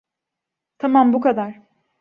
Tamam, bu kadar.